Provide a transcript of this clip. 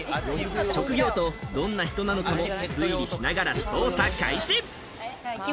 職業とどんな人なのかも推理しながら捜査開始。